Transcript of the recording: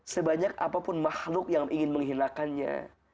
sebanyak apapun makhluk yang ingin menghinakannya